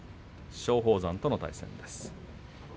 松鳳山との対戦です。